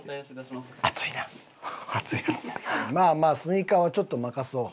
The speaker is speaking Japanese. まあまあスニーカーはちょっと任そう。